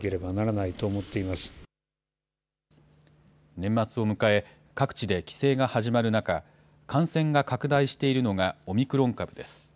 年末を迎え、各地で帰省が始まる中、感染が拡大しているのがオミクロン株です。